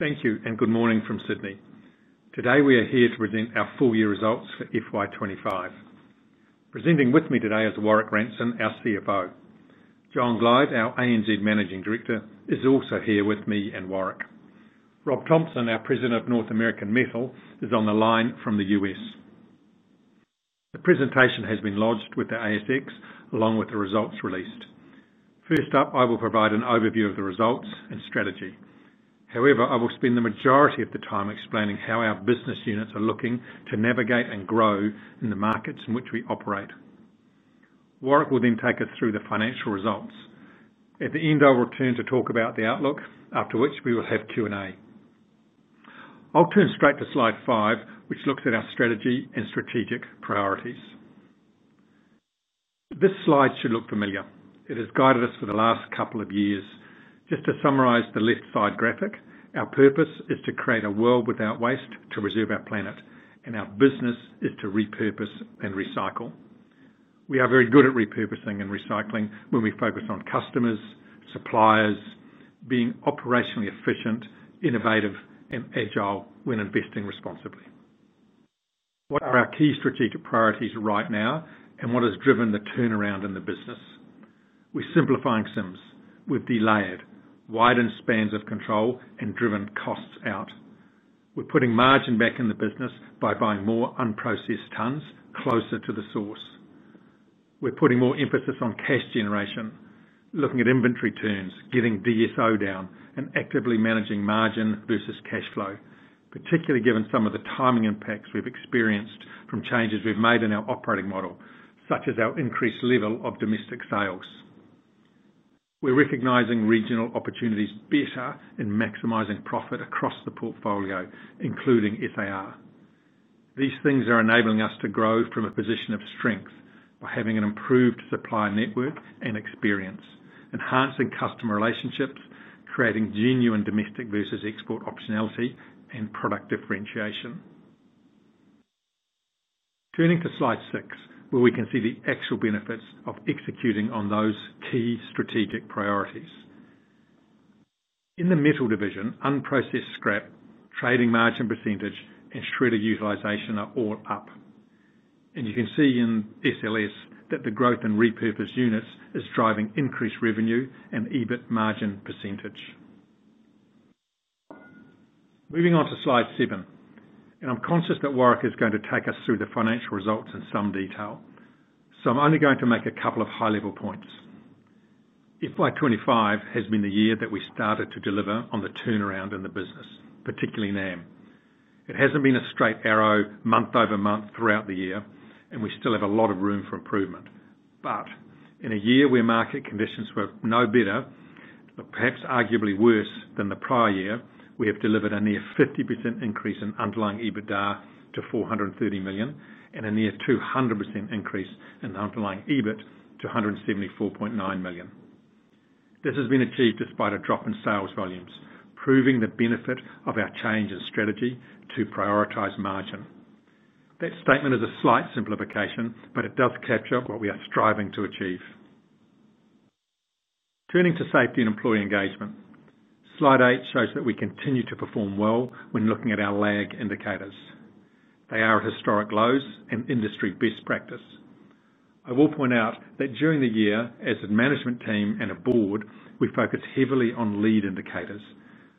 Thank you and good morning from Sydney. Today we are here to present our full-year results for FY2025. Presenting with me today is Warrick Ranson, our CFO. John Glyde, our ANZ Managing Director, is also here with me and Warrick. Rob Thompson, our President of North American Metal, is on the line from the U.S. The presentation has been lodged with the ASX, along with the results released. First up, I will provide an overview of the results and strategy. However, I will spend the majority of the time explaining how our business units are looking to navigate and grow in the markets in which we operate. Warrick will then take us through the financial results. At the end, I will turn to talk about the outlook, after which we will have Q&A. I'll turn straight to slide five, which looks at our strategy and strategic priorities. This slide should look familiar. It has guided us for the last couple of years. Just to summarize the left-side graphic, our purpose is to create a world without waste to preserve our planet, and our business is to repurpose and recycle. We are very good at repurposing and recycling when we focus on customers, suppliers, being operationally efficient, innovative, and agile when investing responsibly. What are our key strategic priorities right now, and what has driven the turnaround in the business? We're simplifying Sims with delayed, widened spans of control and driven costs out. We're putting margin back in the business by buying more unprocessed tonnes closer to the source. We're putting more emphasis on cash generation, looking at inventory turns, getting DSO down, and actively managing margin versus cash flow, particularly given some of the timing impacts we've experienced from changes we've made in our operating model, such as our increased level of domestic sales. We're recognizing regional opportunities better and maximizing profit across the portfolio, including SAR. These things are enabling us to grow from a position of strength by having an improved supply network and experience, enhancing customer relationships, creating genuine domestic versus export optionality, and product differentiation. Turning to slide six, where we can see the actual benefits of executing on those key strategic priorities. In the metal division, unprocessed scrap, trading margin %, and shredder utilisation are all up. You can see in SLS that the growth in repurposed units is driving increased revenue and EBIT margin %. Moving on to slide seven, and I'm conscious that Warrick is going to take us through the financial results in some detail, so I'm only going to make a couple of high-level points. FY25 has been the year that we started to deliver on the turnaround in the business, particularly NAM. It hasn't been a straight arrow month over month throughout the year, and we still have a lot of room for improvement. In a year where market conditions were no better, but perhaps arguably worse than the prior year, we have delivered a near 50% increase in underlying EBITDA to $430 million and a near 200% increase in the underlying EBIT to $174.9 million. This has been achieved despite a drop in sales volumes, proving the benefit of our change in strategy to prioritize margin. That statement is a slight simplification, but it does capture what we are striving to achieve. Turning to safety and employee engagement, slide eight shows that we continue to perform well when looking at our lag indicators. They are at historic lows and industry best practice. I will point out that during the year, as a management team and a board, we focused heavily on lead indicators.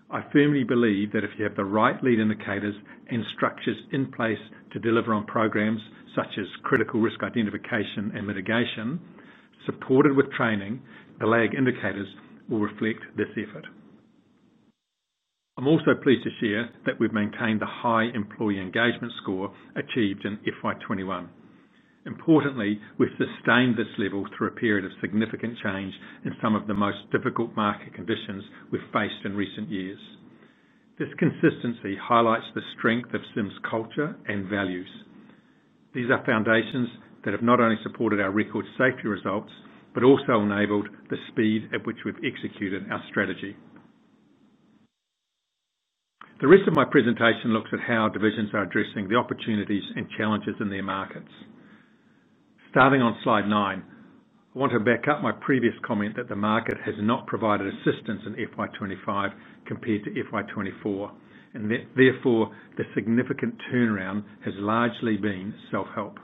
I firmly believe that if you have the right lead indicators and structures in place to deliver on programs such as critical risk identification and mitigation, supported with training, the lag indicators will reflect this effort. I'm also pleased to share that we've maintained the high employee engagement score achieved in FY21. Importantly, we've sustained this level through a period of significant change in some of the most difficult market conditions we've faced in recent years. This consistency highlights the strength of Sims culture and values. These are foundations that have not only supported our record safety results, but also enabled the speed at which we've executed our strategy. The rest of my presentation looks at how divisions are addressing the opportunities and challenges in their markets. Starting on slide nine, I want to back up my previous comment that the market had not provided assistance in FY25 compared to FY24, and that therefore the significant turnaround has largely been self-help.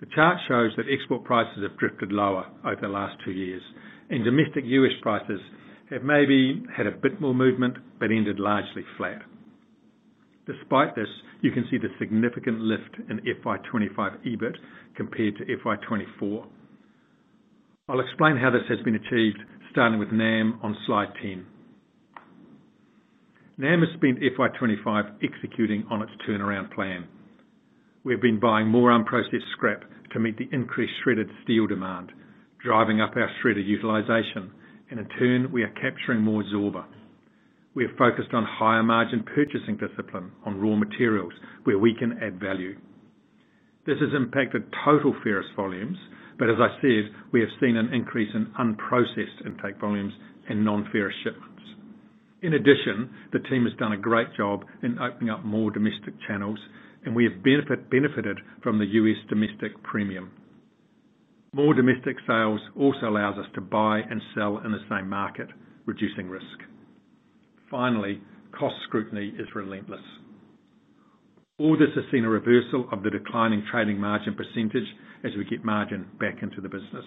The chart shows that export prices have drifted lower over the last two years, and domestic U.S. prices have maybe had a bit more movement but ended largely flat. Despite this, you can see the significant lift in FY25 EBIT compared to FY24. I'll explain how this has been achieved, starting with NAM on slide 10. NAM has spent FY2025 executing on its turnaround plan. We've been buying more unprocessed scrap to meet the increased shredded steel demand, driving up our shredder utilisation, and in turn, we are capturing more zorba. We have focused on higher margin purchasing discipline on raw materials where we can add value. This has impacted total ferrous volumes, but as I said, we have seen an increase in unprocessed intake volumes and non-ferrous shipments. In addition, the team has done a great job in opening up more domestic channels, and we have benefited from the U.S. domestic premium. More domestic sales also allow us to buy and sell in the same market, reducing risk. Finally, cost scrutiny is relentless. All this has seen a reversal of the declining trading margin % as we get margin back into the business.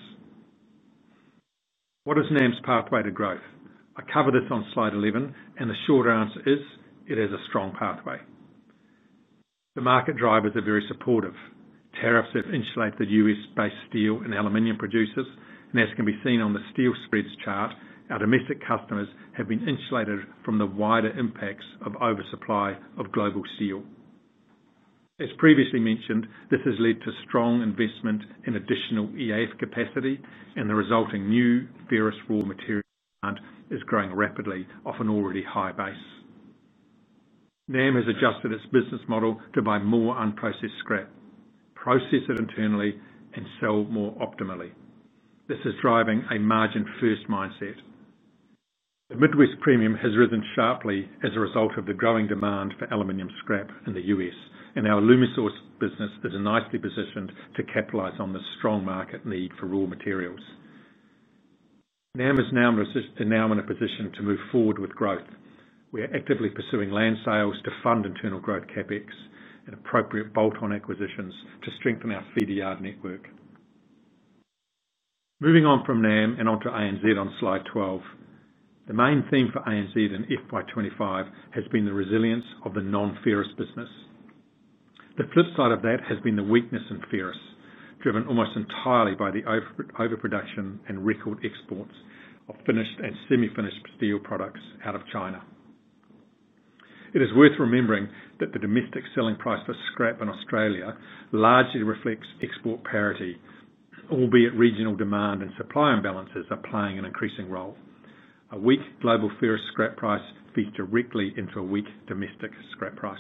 What is NAM's pathway to growth? I cover this on slide 11, and the short answer is it is a strong pathway. The market drivers are very supportive. Tariffs have insulated the U.S.-based steel and aluminium producers, and as can be seen on the steel spreads chart, our domestic customers have been insulated from the wider impacts of oversupply of global steel. As previously mentioned, this has led to strong investment in additional EAF capacity, and the resulting new ferrous raw material demand is growing rapidly, off an already high base. NAM has adjusted its business model to buy more unprocessed scrap, process it internally, and sell more optimally. This is driving a margin-first mindset. The Midwest premium has risen sharply as a result of the growing demand for aluminium scrap in the U.S., and our LumiSource business is nicely positioned to capitalize on the strong market need for raw materials. NAM is now in a position to move forward with growth. We are actively pursuing land sales to fund internal growth CapEx and appropriate bolt-on acquisitions to strengthen our feeder yard network. Moving on from NAM and onto ANZ on slide 12, the main theme for ANZ in FY2025 has been the resilience of the non-ferrous business. The flip side of that has been the weakness in ferrous, driven almost entirely by the overproduction and record exports of finished and semi-finished steel products out of China. It is worth remembering that the domestic selling price for scrap in Australia largely reflects export parity, albeit regional demand and supply imbalances are playing an increasing role. A weak global ferrous scrap price feeds directly into a weak domestic scrap price.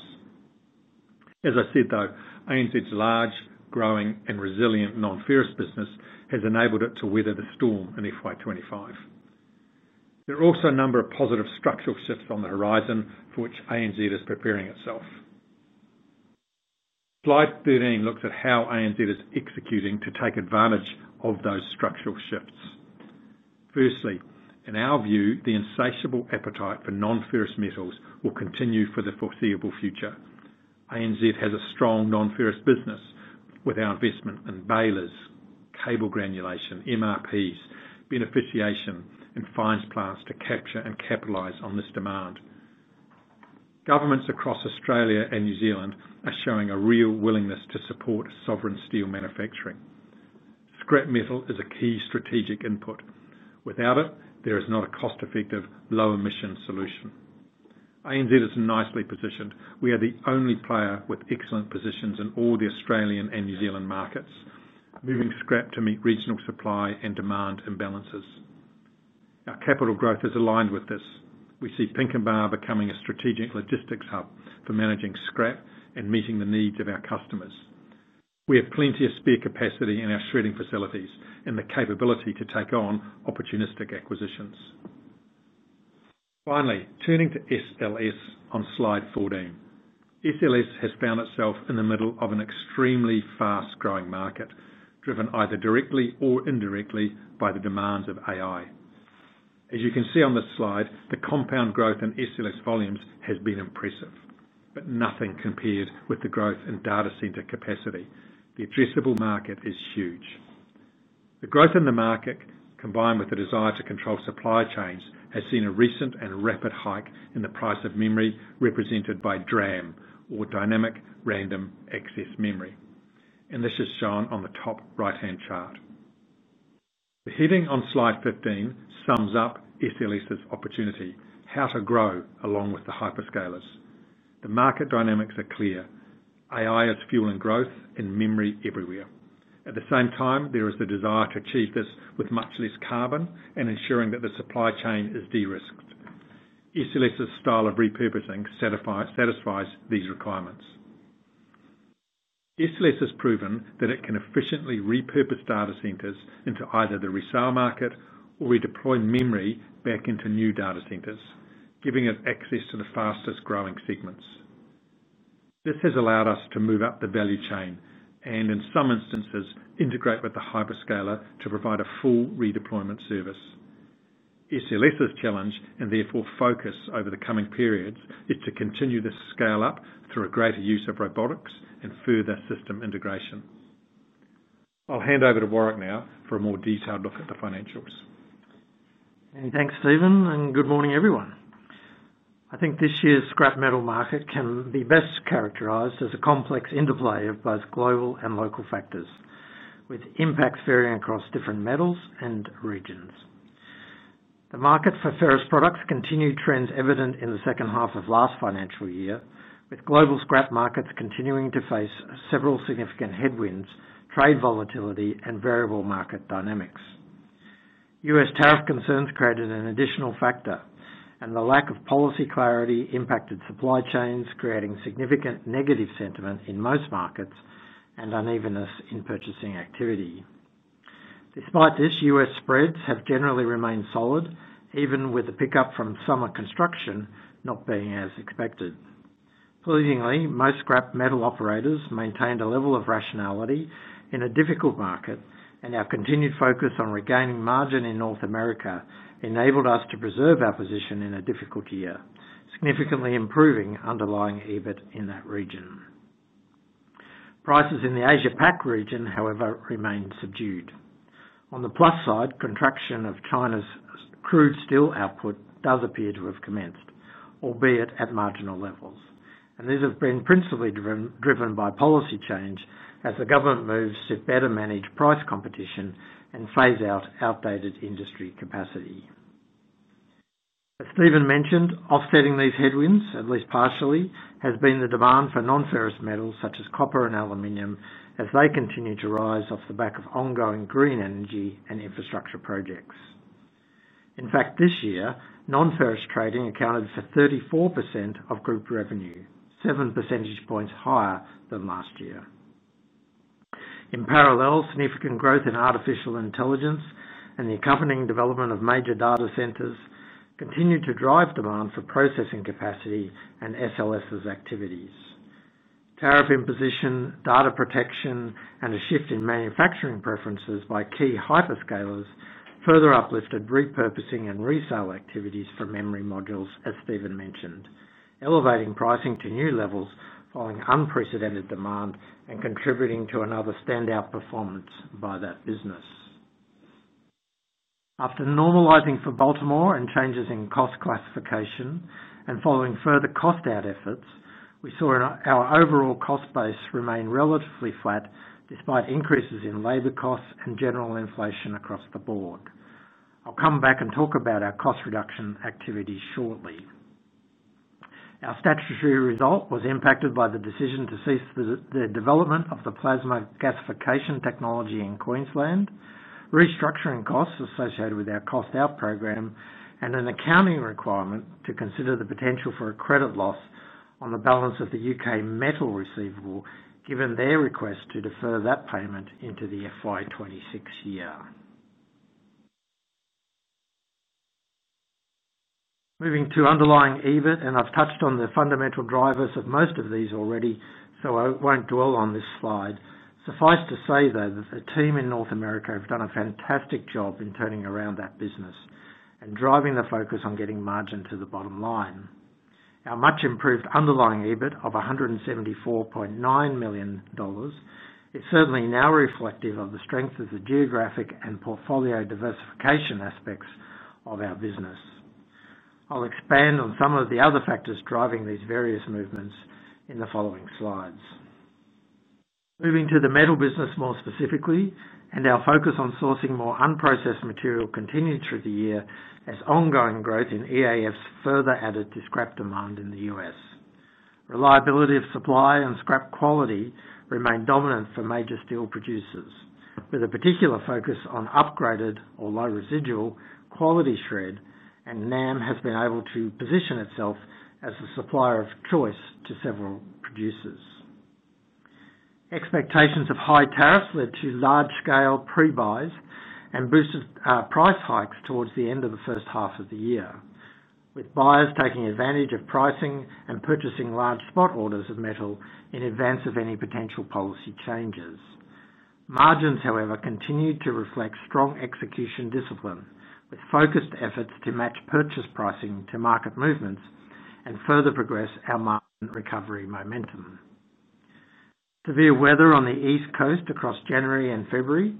As I said, though, ANZ's large, growing, and resilient non-ferrous business has enabled it to weather the storm in FY2025. There are also a number of positive structural shifts on the horizon for which ANZ is preparing itself. Slide 13 looks at how ANZ is executing to take advantage of those structural shifts. Firstly, in our view, the insatiable appetite for non-ferrous metals will continue for the foreseeable future. ANZ has a strong non-ferrous business with our investment in balers, cable granulation, MRPs, beneficiation, and fines plants to capture and capitalize on this demand. Governments across Australia and New Zealand are showing a real willingness to support sovereign steel manufacturing. Scrap metal is a key strategic input. Without it, there is not a cost-effective, low-emission solution. ANZ is nicely positioned. We are the only player with excellent positions in all the Australian and New Zealand markets, moving scrap to meet regional supply and demand imbalances. Our capital growth is aligned with this. We see Pinkenba becoming a strategic logistics hub for managing scrap and meeting the needs of our customers. We have plenty of spare capacity in our shredding facilities and the capability to take on opportunistic acquisitions. Finally, turning to SLS on slide 14, SLS has found itself in the middle of an extremely fast-growing market, driven either directly or indirectly by the demands of AI. As you can see on this slide, the compound growth in SLS volumes has been impressive, but nothing compared with the growth in data center capacity. The addressable market is huge. The growth in the market, combined with the desire to control supply chains, has seen a recent and rapid hike in the price of memory, represented by DRAM, or Dynamic Random Access Memory. This is shown on the top right-hand chart. The heading on slide 15 sums up SLS's opportunity: how to grow along with the hyperscalers. The market dynamics are clear. AI is fueling growth and memory everywhere. At the same time, there is the desire to achieve this with much less carbon and ensuring that the supply chain is de-risked. SLS's style of repurposing satisfies these requirements. SLS has proven that it can efficiently repurpose data centers into either the resale market or redeploy memory back into new data centers, giving us access to the fastest growing segments. This has allowed us to move up the value chain and, in some instances, integrate with the hyperscaler to provide a full redeployment service. SLS's challenge and therefore focus over the coming periods is to continue this scale-up through a greater use of robotics and further system integration. I'll hand over to Warrick now for a more detailed look at the financials. Thanks, Stephen, and good morning, everyone. I think this year's scrap metal market can be best characterized as a complex interplay of both global and local factors, with impacts varying across different metals and regions. The market for ferrous products continued trends evident in the second half of last financial year, with global scrap markets continuing to face several significant headwinds, trade volatility, and variable market dynamics. U.S. tariff concerns created an additional factor, and the lack of policy clarity impacted supply chains, creating significant negative sentiment in most markets and unevenness in purchasing activity. Despite this, U.S. spreads have generally remained solid, even with a pickup from summer construction not being as expected. Pleasingly, most scrap metal operators maintained a level of rationality in a difficult market, and our continued focus on regaining margin in North America enabled us to preserve our position in a difficult year, significantly improving underlying EBIT in that region. Prices in the Asia-Pac region, however, remain subdued. On the plus side, contraction of China's crude steel output does appear to have commenced, albeit at marginal levels, and these have been principally driven by policy change as the government moves to better manage price competition and phase out outdated industry capacity. As Stephen mentioned, offsetting these headwinds, at least partially, has been the demand for non-ferrous metals such as copper and aluminium as they continue to rise off the back of ongoing green energy and infrastructure projects. In fact, this year, non-ferrous trading accounted for 34% of group revenue, seven percentage points higher than last year. In parallel, significant growth in AI and the accompanying development of major data centers continued to drive demand for processing capacity and SLS's activities. Tariff imposition, data protection, and a shift in manufacturing preferences by key hyperscalers further uplifted repurposing and resale activities for memory modules, as Stephen mentioned, elevating pricing to new levels following unprecedented demand and contributing to another standout performance by that business. After normalizing for Baltimore and changes in cost classification and following further cost-out efforts, we saw our overall cost base remain relatively flat despite increases in labor costs and general inflation across the board. I'll come back and talk about our cost reduction activity shortly. Our statutory result was impacted by the decision to cease the development of the plasma gasification technology in Queensland, restructuring costs associated with our cost-out program, and an accounting requirement to consider the potential for a credit loss on the balance of the UK metal receivable, given their request to defer that payment into the FY2026 year. Moving to underlying EBIT, and I've touched on the fundamental drivers of most of these already, so I won't dwell on this slide. Suffice to say, though, that the team in North America have done a fantastic job in turning around that business and driving the focus on getting margin to the bottom line. Our much-improved underlying EBIT of $174.9 million is certainly now reflective of the strength of the geographic and portfolio diversification aspects of our business. I'll expand on some of the other factors driving these various movements in the following slides. Moving to the metal business more specifically, our focus on sourcing more unprocessed material continued through the year as ongoing growth in EAFs further added to scrap demand in the U.S. Reliability of supply and scrap quality remain dominant for major steel producers, with a particular focus on upgraded or low-residual quality shred, and NAM has been able to position itself as the supplier of choice to several producers. Expectations of high tariffs led to large-scale pre-buys and boosted price hikes towards the end of the first half of the year, with buyers taking advantage of pricing and purchasing large spot orders of metal in advance of any potential policy changes. Margins, however, continued to reflect strong execution discipline, with focused efforts to match purchase pricing to market movements and further progress our market recovery momentum. Severe weather on the East Coast across January and February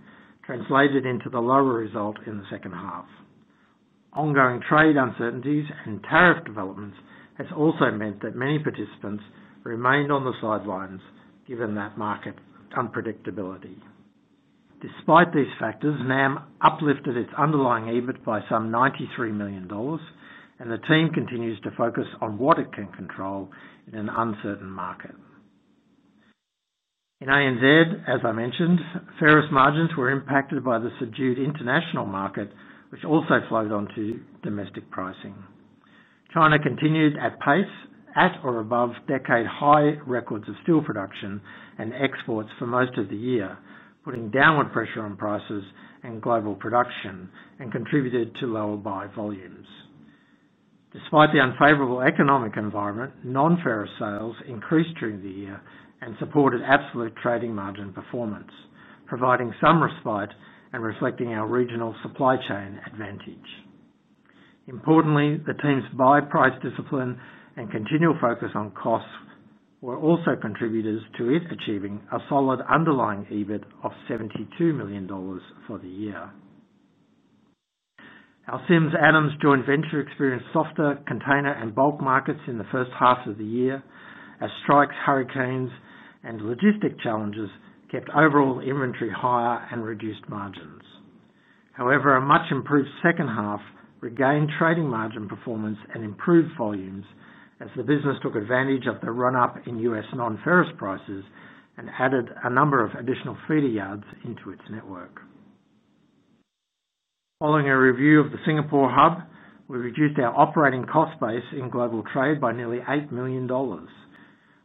translated into the lower result in the second half. Ongoing trade uncertainties and tariff developments have also meant that many participants remained on the sidelines, given that market unpredictability. Despite these factors, NAM uplifted its underlying EBIT by some $93 million, and the team continues to focus on what it can control in an uncertain market. In ANZ, as I mentioned, ferrous margins were impacted by the subdued international market, which also flowed onto domestic pricing. China continued at pace at or above decade-high records of steel production and exports for most of the year, putting downward pressure on prices and global production and contributed to lower buy volumes. Despite the unfavorable economic environment, non-ferrous sales increased during the year and supported absolute trading margin performance, providing some respite and reflecting our regional supply chain advantage. Importantly, the team's buy price discipline and continual focus on costs were also contributors to it achieving a solid underlying EBIT of $72 million for the year. Our Sims Adams joint venture experienced softer container and bulk markets in the first half of the year, as strikes, hurricanes, and logistic challenges kept overall inventory higher and reduced margins. However, a much improved second half regained trading margin performance and improved volumes as the business took advantage of the run-up in U.S. non-ferrous prices and added a number of additional feeder yards into its network. Following a review of the Singapore hub, we reduced our operating cost base in global trade by nearly $8 million.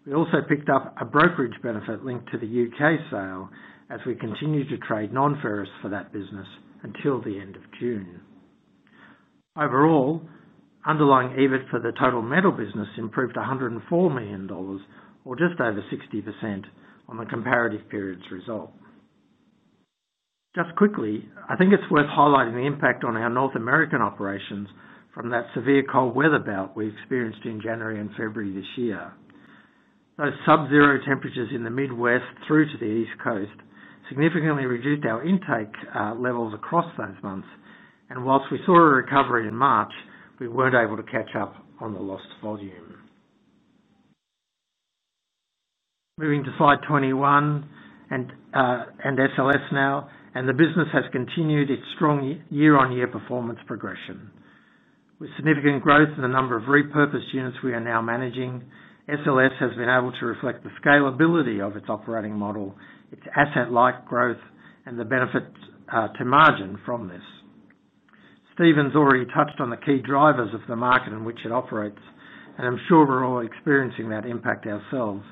We also picked up a brokerage benefit linked to the UK sale as we continued to trade non-ferrous for that business until the end of June. Overall, underlying EBIT for the total metal business improved $104 million, or just over 60% on the comparative period's result. Just quickly, I think it's worth highlighting the impact on our North American operations from that severe cold weather bout we experienced in January and February this year. Those sub-zero temperatures in the Midwest through to the East Coast significantly reduced our intake levels across those months, and whilst we saw a recovery in March, we weren't able to catch up on the lost volume. Moving to slide 21 and SLS now, the business has continued its strong year-on-year performance progression. With significant growth in the number of repurposed units we are now managing, SLS has been able to reflect the scalability of its operating model, its asset-like growth, and the benefits to margin from this. Stephen's already touched on the key drivers of the market in which it operates, and I'm sure we're all experiencing that impact ourselves.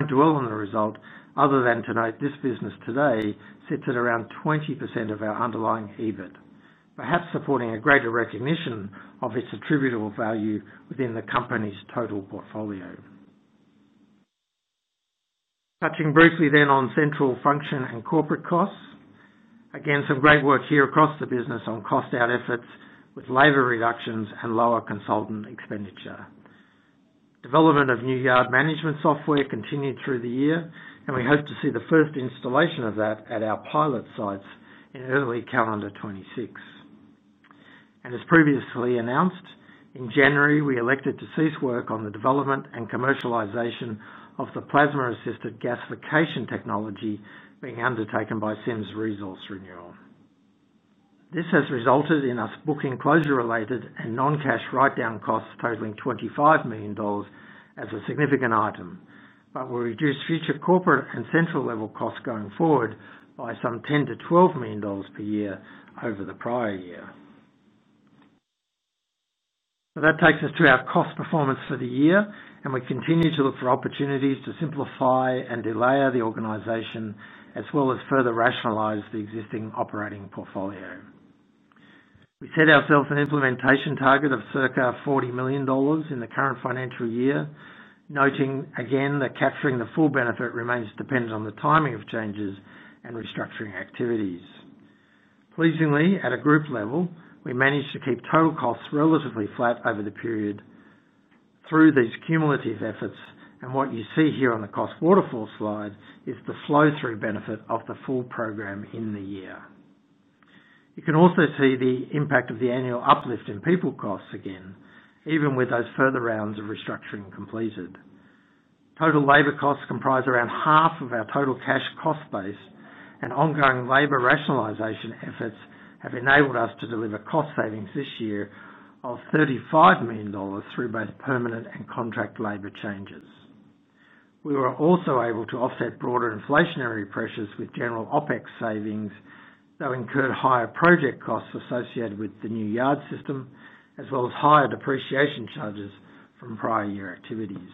To dwell on the result, other than to note this business today sits at around 20% of our underlying EBIT, perhaps supporting a greater recognition of its attributable value within the company's total portfolio. Touching briefly then on central function and corporate costs, again, some great work here across the business on cost-out efforts with labor reductions and lower consultant expenditure. Development of new yard management software continued through the year, and we hope to see the first installation of that at our pilot sites in early calendar 2026. As previously announced, in January, we elected to cease work on the development and commercialization of the plasma-assisted gasification technology being undertaken by Sims Resource Renewal. This has resulted in us booking closure-related and non-cash write-down costs totaling $25 million as a significant item, but it will reduce future corporate and central level costs going forward by some $10-$12 million per year over the prior year. That takes us to our cost performance for the year, and we continue to look for opportunities to simplify and delay the organization as well as further rationalize the existing operating portfolio. We set ourselves an implementation target of circa $40 million in the current financial year, noting again that capturing the full benefit remains dependent on the timing of changes and restructuring activities. Pleasingly, at a group level, we managed to keep total costs relatively flat over the period through these cumulative efforts, and what you see here on the cost waterfall slide is the flow-through benefit of the full program in the year. You can also see the impact of the annual uplift in people costs again, even with those further rounds of restructuring completed. Total labor costs comprise around half of our total cash cost base, and ongoing labor rationalization efforts have enabled us to deliver cost savings this year of $35 million through both permanent and contract labor changes. We were also able to offset broader inflationary pressures with general OpEx savings, though incurred higher project costs associated with the new yard system, as well as higher depreciation charges from prior year activities.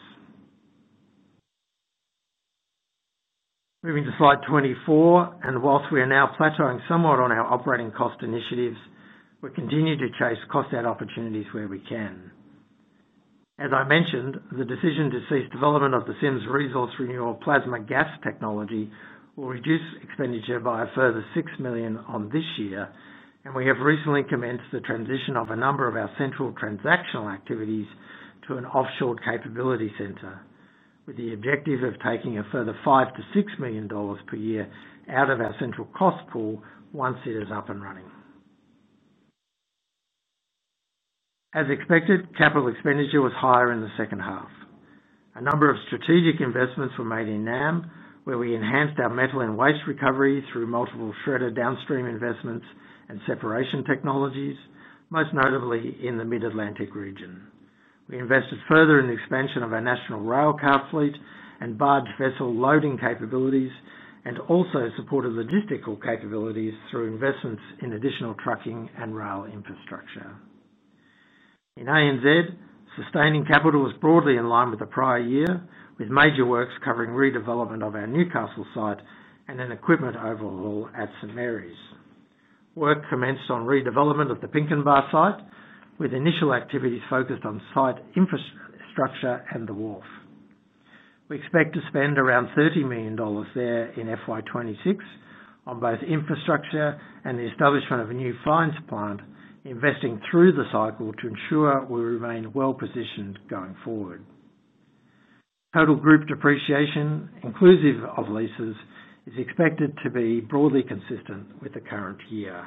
Moving to slide 24, whilst we are now plateauing somewhat on our operating cost initiatives, we continue to chase cost-out opportunities where we can. As I mentioned, the decision to cease development of the Sims Resource Renewal plasma gas technology will reduce expenditure by a further $6 million on this year, and we have recently commenced the transition of a number of our central transactional activities to an offshore capability center with the objective of taking a further $5-$6 million per year out of our central cost pool once it is up and running. As expected, capital expenditure was higher in the second half. A number of strategic investments were made in North America, where we enhanced our metal and waste recovery through multiple shredder downstream investments and separation technologies, most notably in the Mid-Atlantic region. We invested further in the expansion of our national railcar fleet and barge vessel loading capabilities, and also supported logistical capabilities through investments in additional trucking and rail infrastructure. In ANZ, sustaining capital is broadly in line with the prior year, with major works covering redevelopment of our Newcastle site and an equipment overhaul at St. Mary's. Work commenced on redevelopment of the Pinkenba site, with initial activities focused on site infrastructure and the wharf. We expect to spend around $30 million there in FY26 on both infrastructure and the establishment of a new fines plant, investing through the cycle to ensure we remain well-positioned going forward. Total group depreciation, inclusive of leases, is expected to be broadly consistent with the current year.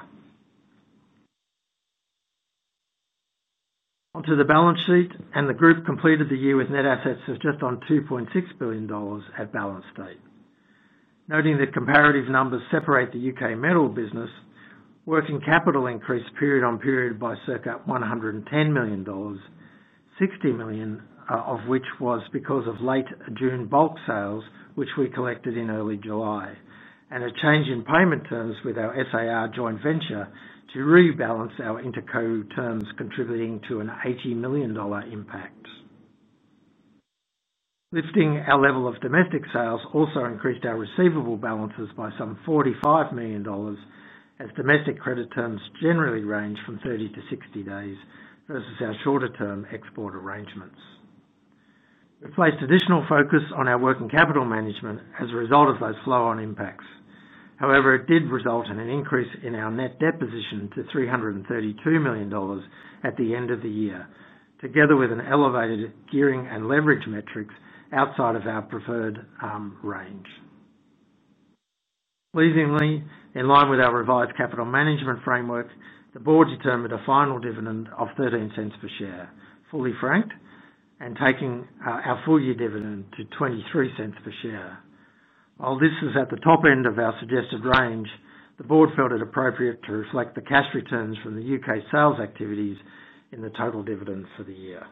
Onto the balance sheet, the group completed the year with net assets of just on $2.6 billion at balance state. Noting that comparative numbers separate the UK metal business, working capital increased period on period by circa $110 million, $60 million of which was because of late June bulk sales which we collected in early July, and a change in payment terms with our SAR joint venture to rebalance our inter-co-terms, contributing to an $80 million impact. Lifting our level of domestic sales also increased our receivable balances by some $45 million, as domestic credit terms generally range from 30 to 60 days versus our shorter-term export arrangements. We placed additional focus on our working capital management as a result of those flow-on impacts. However, it did result in an increase in our net debt position to $332 million at the end of the year, together with elevated gearing and leverage metrics outside of our preferred range. Pleasingly, in line with our revised capital management framework, the board determined a final dividend of $0.13 per share, fully franked, and taking our full-year dividend to $0.23 per share. While this was at the top end of our suggested range, the board felt it appropriate to reflect the cash returns from the UK sales activities in the total dividend for the year.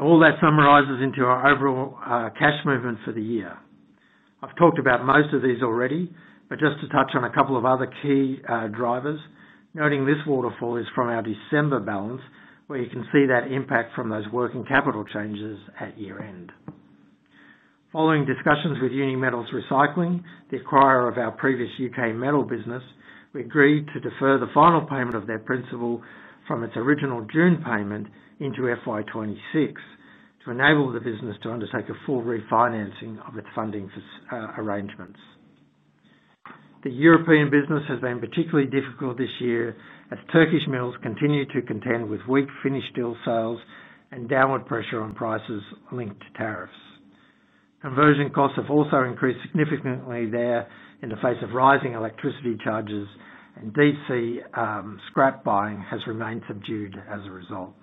All that summarizes into our overall cash movement for the year. I've talked about most of these already, but just to touch on a couple of other key drivers, noting this waterfall is from our December balance, where you can see that impact from those working capital changes at year-end. Following discussions with UniMetals Recycling, the acquirer of our previous UK metal business, we agreed to defer the final payment of their principal from its original June payment into FY2026 to enable the business to undertake a full refinancing of its funding arrangements. The European business has been particularly difficult this year as Turkish metals continue to contend with weak finished steel sales and downward pressure on prices linked to tariffs. Conversion costs have also increased significantly there in the face of rising electricity charges, and DC scrap buying has remained subdued as a result.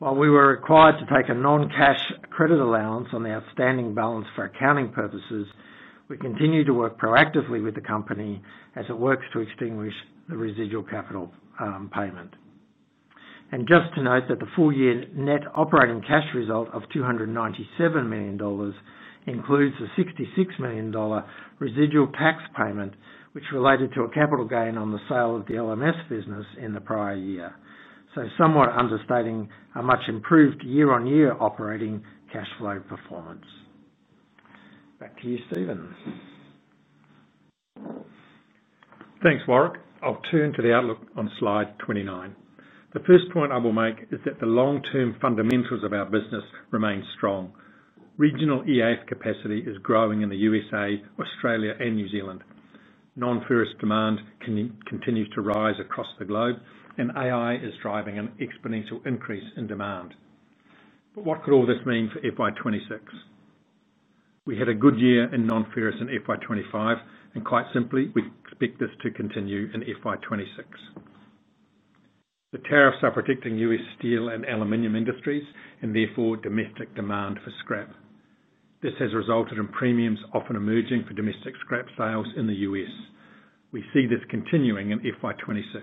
We were required to take a non-cash credit allowance on the outstanding balance for accounting purposes. We continue to work proactively with the company as it works to extinguish the residual capital payment. Just to note that the full-year net operating cash result of $297 million includes a $66 million residual tax payment, which related to a capital gain on the sale of the LMS business in the prior year, so somewhat understating a much improved year-on-year operating cash flow performance. Back to you, Stephen. Thanks, Warrick. I'll turn to the outlook on slide 29. The first point I will make is that the long-term fundamentals of our business remain strong. Regional EAF capacity is growing in the U.S., Australia, and New Zealand. Non-ferrous demand continues to rise across the globe, and AI is driving an exponential increase in demand. What could all this mean for FY2026? We had a good year in non-ferrous in FY2025, and quite simply, we expect this to continue in FY2026. The tariffs are protecting U.S. steel and aluminum industries, and therefore domestic demand for scrap. This has resulted in premiums often emerging for domestic scrap sales in the U.S. We see this continuing in FY2026.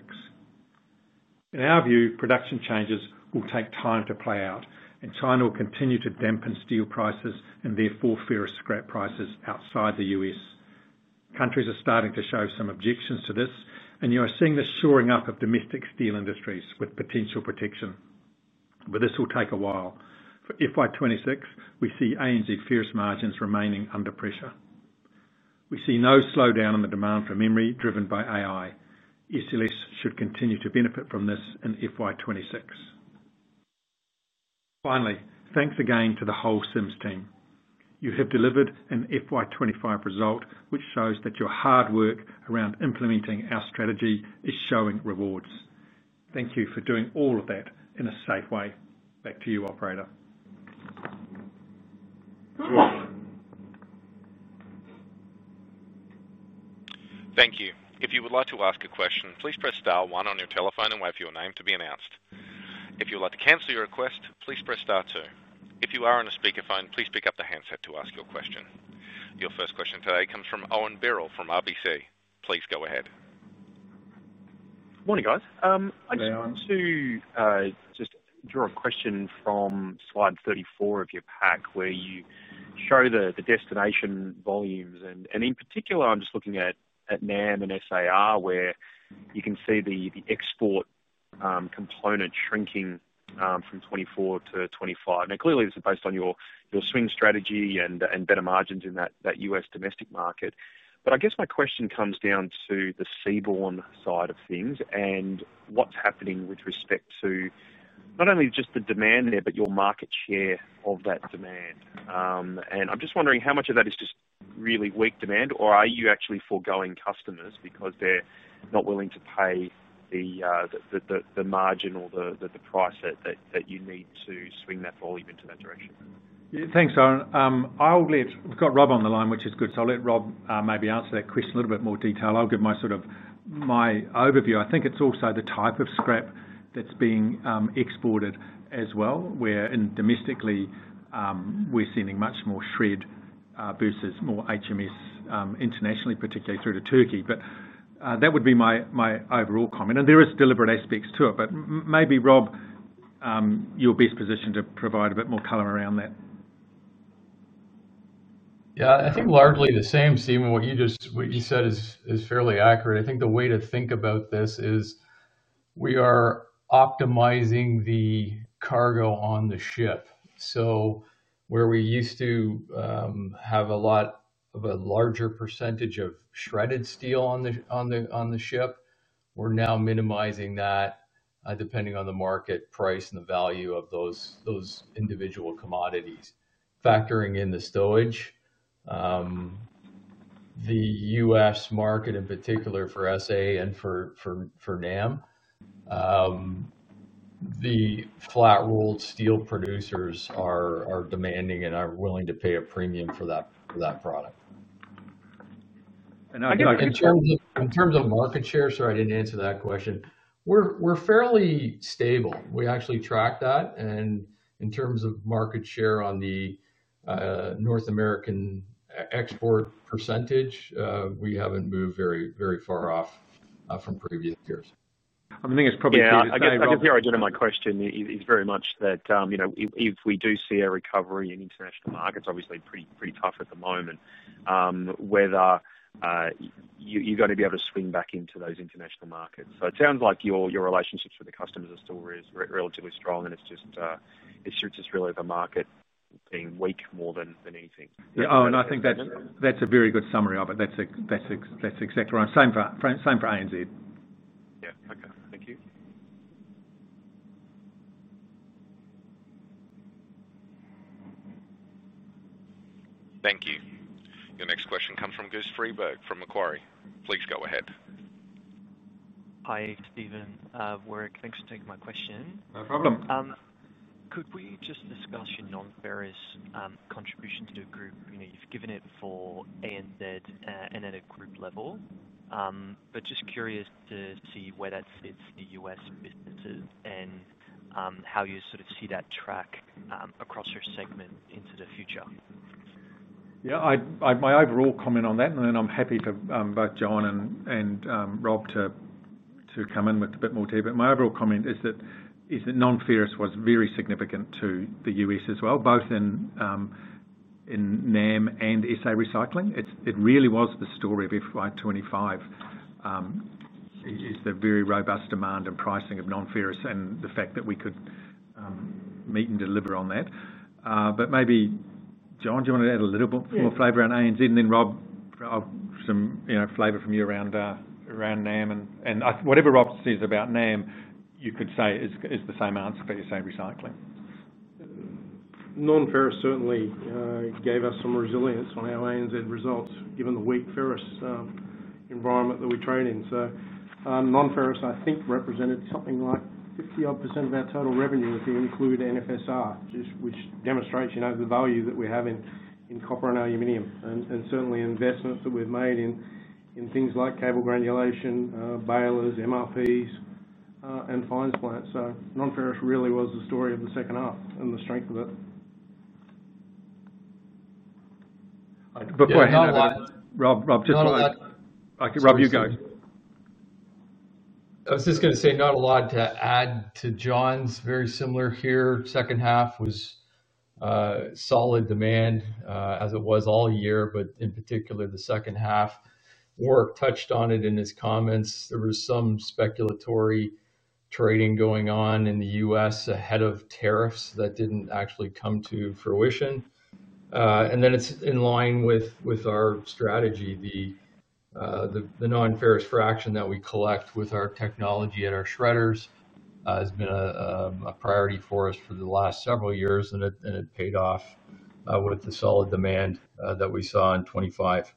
In our view, production changes will take time to play out, and China will continue to dampen steel prices and therefore ferrous scrap prices outside the U.S. Countries are starting to show some objections to this, and you are seeing the shoring up of domestic steel industries with potential protection. This will take a while. For FY2026, we see ANZ ferrous margins remaining under pressure. We see no slowdown in the demand for memory driven by AI. Sims Lifecycle Services should continue to benefit from this in FY2026. Finally, thanks again to the whole Sims team. You have delivered an FY2025 result which shows that your hard work around implementing our strategy is showing rewards. Thank you for doing all of that in a safe way. Back to you, operator. Thank you. If you would like to ask a question, please press star one on your telephone and wait for your name to be announced. If you would like to cancel your request, please press star two. If you are on a speaker phone, please pick up the handset to ask your question. Your first question today comes from Owen Birrell from RBC. Please go ahead. Morning, guys. I'm Sue. Just drew a question from slide 34 of your pack where you show the destination volumes, and in particular, I'm just looking at NAM and SAR where you can see the export component shrinking from 2024 to 2025. Now, clearly, this is based on your swing strategy and better margins in that U.S. domestic market. I guess my question comes down to the Seabourn side of things and what's happening with respect to not only just the demand there, but your market share of that demand. I'm just wondering how much of that is just really weak demand, or are you actually forgoing customers because they're not willing to pay the margin or the price that you need to swing that volume into that direction? Yeah, thanks, Owen. We've got Rob on the line, which is good. I'll let Rob maybe answer that question in a little bit more detail. I'll give my sort of overview. I think it's also the type of scrap that's being exported as well, wherein domestically we're sending much more shred versus more HMS internationally, particularly through to Turkey. That would be my overall comment. There are deliberate aspects to it, but maybe, Rob, you're best positioned to provide a bit more color around that. Yeah, I think largely the same, Stephen. What you just said is fairly accurate. I think the way to think about this is we are optimizing the cargo on the ship. Where we used to have a lot of a larger % of shredded steel on the ship, we're now minimizing that depending on the market price and the value of those individual commodities, factoring in the stowage. The U.S. market in particular for SA and for NAM, the flat rolled steel producers are demanding and are willing to pay a premium for that product. I think in terms of market share, we're fairly stable. We actually track that. In terms of market share on the North American export %, we haven't moved very far off from previous years. I mean, I don't know, my question is very much that, you know, if we do see a recovery in international markets, obviously pretty tough at the moment, whether you've got to be able to swing back into those international markets. It sounds like your relationships with the customers are still relatively strong, and it's just really the market being weak more than anything. Yeah. I think that's a very good summary of it. That's exactly right. Same for ANZ. Yeah, okay. Thank you. Thank you. Your next question comes from Goose Freeburg from Macquarie. Please go ahead. Hi, Stephen. Warrick, thanks for taking my question. No problem. Could we just discuss your non-ferrous contribution to the group? You've given it for ANZ and at a group level, but just curious to see where that sits in the US and businesses and how you sort of see that track across your segment into the future. Yeah, my overall comment on that, and then I'm happy for both John and Rob to come in with a bit more too. My overall comment is that non-ferrous was very significant to the U.S. as well, both in NAM and SA Recycling. It really was the story of FY2025, is the very robust demand and pricing of non-ferrous and the fact that we could meet and deliver on that. Maybe, John, do you want to add a little bit more flavor on ANZ and then Rob, some flavor from you around NAM? Whatever Rob says about NAM, you could say is the same answer for SA Recycling. Non-ferrous certainly gave us some resilience on our ANZ results, given the weak ferrous environment that we trade in. Non-ferrous, I think, represented something like 50% of our total revenue if you include NFSR, which demonstrates the value that we have in copper and aluminum and certainly investments that we've made in things like cable granulation, balers, MRPs, and fines plants. Non-ferrous really was the story of the second half and the strength of it. Rob, just fine. Rob, you go. I was just going to say not a lot to add to John's. Very similar here. Second half was solid demand as it was all year, but in particular, the second half, Warrick touched on it in his comments. There was some speculatory trading going on in the U.S. ahead of tariffs that didn't actually come to fruition. It's in line with our strategy. The non-ferrous fraction that we collect with our technology and our shredders has been a priority for us for the last several years, and it paid off with the solid demand that we saw in 2025.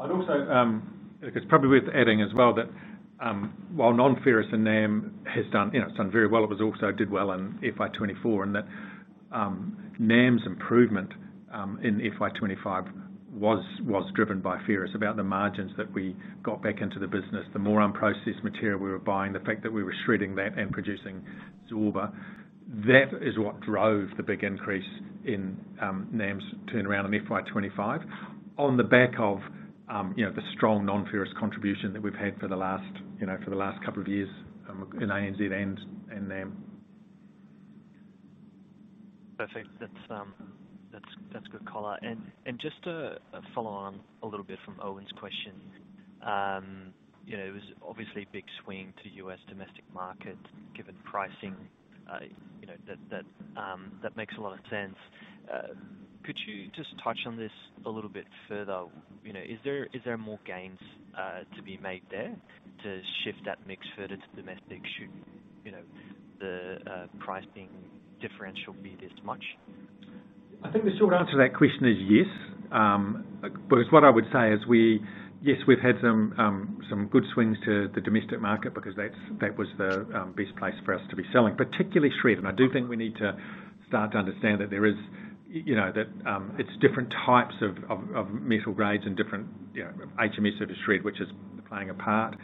I'd also say it's probably worth adding as well that while non-ferrous in NAM has done, you know, it's done very well, it also did well in FY2024, and that NAM's improvement in FY2025 was driven by ferrous. About the margins that we got back into the business, the more unprocessed material we were buying, the fact that we were shredding that and producing zorba, that is what drove the big increase in NAM's turnaround in FY2025 on the back of the strong non-ferrous contribution that we've had for the last couple of years in ANZ and NAM. I think that's good color. Just to follow on a little bit from Owen's question, it was obviously a big swing to the U.S. domestic market given pricing. That makes a lot of sense. Could you just touch on this a little bit further? Is there more gains to be made there to shift that mix further to domestic? Should the pricing differential be this much? I think the short answer to that question is yes, because what I would say is yes, we've had some good swings to the domestic market because that was the best place for us to be selling, particularly shred. I do think we need to start to understand that there are different types of metal grades and different HMS surface shred, which is playing a part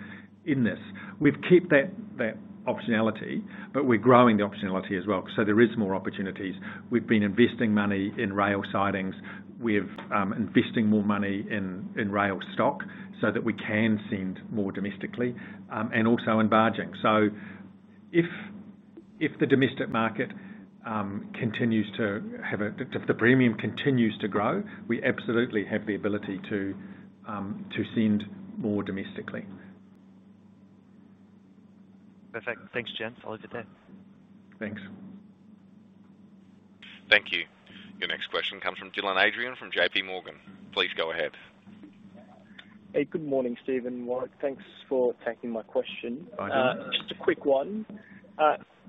in this. We've kept that optionality, but we're growing the optionality as well. There are more opportunities. We've been investing money in rail sidings. We're investing more money in rail stock so that we can send more domestically and also in barging. If the domestic market continues to have a, if the premium continues to grow, we absolutely have the ability to send more domestically. Perfect. Thanks, James. I'll leave it there. Thanks. Thank you. Your next question comes from Dylan Adrian from J.P. Morgan. Please go ahead. Good morning, Stephen. Warrick, thanks for taking my question. Pleasure. Just a quick one.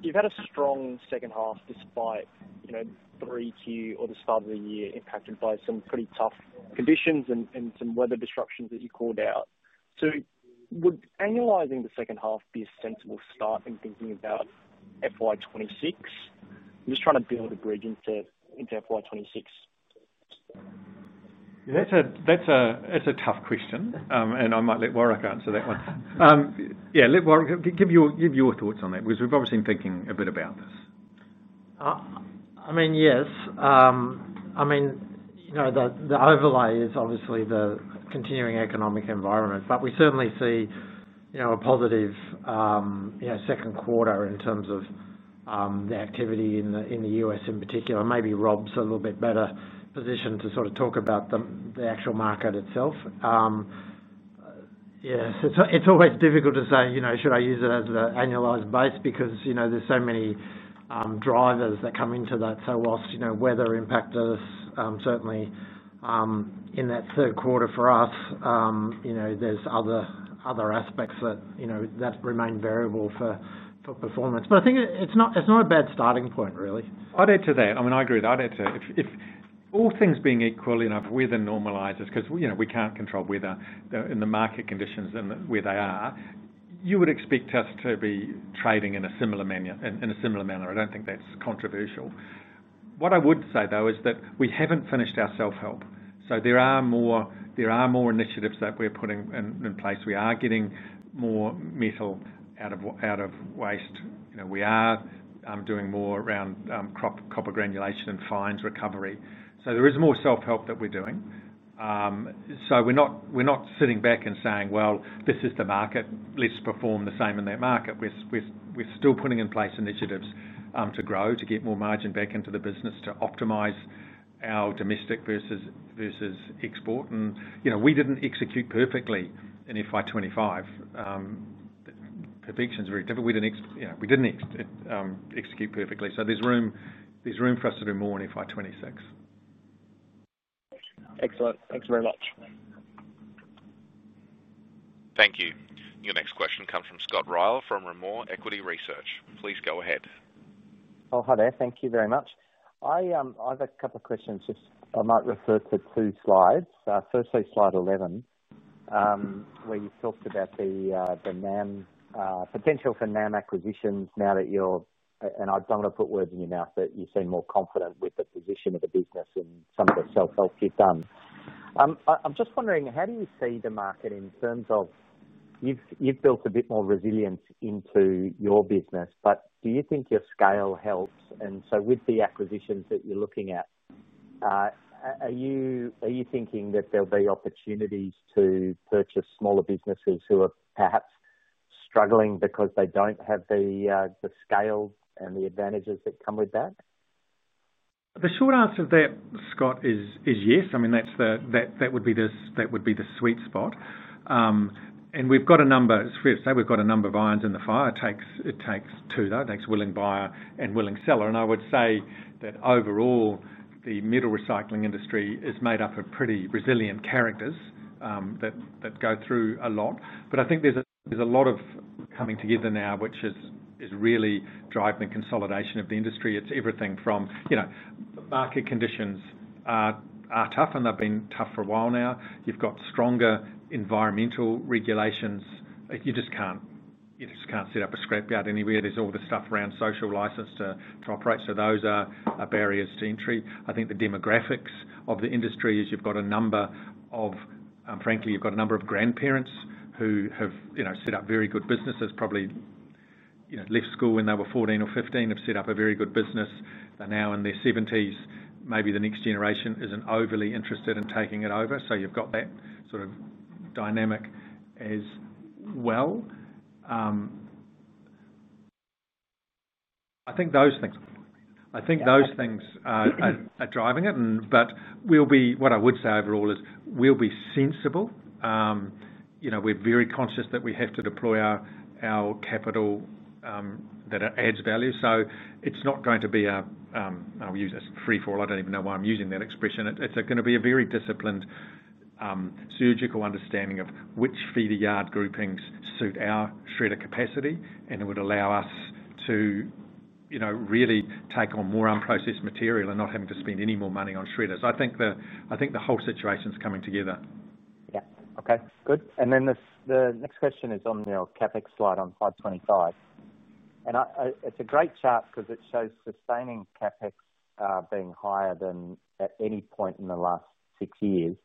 You've had a strong second half despite, you know, the start of the year impacted by some pretty tough conditions and some weather disruptions that you called out. Would annualizing the second half be a sensible start in thinking about FY2026? I'm just trying to build a bridge into FY2026. That's a tough question, and I might let Warrick answer that one. Yeah, let Warrick give your thoughts on that because we've obviously been thinking a bit about this. Yes, the overlay is obviously the continuing economic environment, but we certainly see a positive second quarter in terms of the activity in the U.S. in particular. Maybe Rob's a little bit better positioned to sort of talk about the actual market itself. It's always difficult to say, should I use it as the annualized base because there's so many drivers that come into that. Whilst weather impacted us certainly in that third quarter for us, there are other aspects that remain variable for performance. I think it's not a bad starting point, really. I'd add to that. I agree that I'd add to that. If all things being equal enough with the normalizers, because we can't control weather in the market conditions and where they are, you would expect us to be trading in a similar manner. I don't think that's controversial. What I would say, though, is that we haven't finished our self-help. There are more initiatives that we're putting in place. We are getting more metal out of waste. We are doing more around copper granulation and fines recovery. There is more self-help that we're doing. We're not sitting back and saying, this is the market. Let's perform the same in that market. We're still putting in place initiatives to grow, to get more margin back into the business, to optimize our domestic versus export. We didn't execute perfectly in FY25. Predictions are very different. We didn't execute perfectly. There's room for us to do more in FY26. Excellent. Thanks very much. Thank you. Your next question comes from Scott Rile from Rimor Equity Research. Please go ahead. Oh, hello. Thank you very much. I have a couple of questions. I might refer to two slides. Firstly, slide 11, where you've talked about the potential for NAM acquisitions now that you're, and I don't want to put words in your mouth, but you seem more confident with the position of the business and some of the self-help you've done. I'm just wondering, how do you see the market in terms of you've built a bit more resilience into your business, but do you think your scale helps? With the acquisitions that you're looking at, are you thinking that there'll be opportunities to purchase smaller businesses who are perhaps struggling because they don't have the scale and the advantages that come with that? The short answer to that, Scott, is yes. I mean, that would be the sweet spot. We've got a number. As I say, we've got a number of irons in the fire. It takes two, though. It takes a willing buyer and a willing seller. I would say that overall, the metal recycling industry is made up of pretty resilient characters that go through a lot. I think there's a lot of coming together now, which has really driven the consolidation of the industry. It's everything from, you know, market conditions are tough, and they've been tough for a while now. You've got stronger environmental regulations. You just can't set up a scrapyard anywhere. There's all this stuff around social licence to operate. Those are barriers to entry. I think the demographics of the industry is you've got a number of, frankly, you've got a number of grandparents who have, you know, set up very good businesses. Probably, you know, left school when they were 14 or 15, have set up a very good business. They're now in their 70s. Maybe the next generation isn't overly interested in taking it over. You've got that sort of dynamic as well. I think those things are driving it. What I would say overall is we'll be sensible. We're very conscious that we have to deploy our capital that adds value. It's not going to be a, I'll use a free-for-all. I don't even know why I'm using that expression. It's going to be a very disciplined, surgical understanding of which feeder yard groupings suit our shredder capacity. It would allow us to really take on more unprocessed material and not having to spend any more money on shredders. I think the whole situation is coming together. Yeah. Okay. Good. The next question is on your CapEx slide on 525. It's a great chart because it shows sustaining CapEx being higher than at any point in the last six years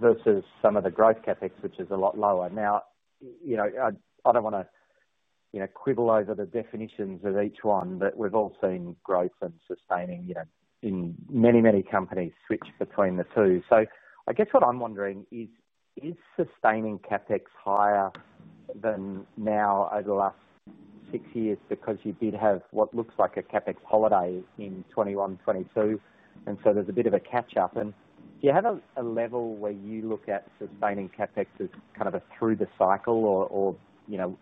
versus some of the growth CapEx, which is a lot lower. Now, I don't want to quibble over the definitions of each one, but we've all seen growth and sustaining in many, many companies switch between the two. I guess what I'm wondering is, is sustaining CapEx higher now over the last six years because you did have what looks like a CapEx holiday in 2021, 2022, and there's a bit of a catch-up. Do you have a level where you look at sustaining CapEx as kind of a through the cycle or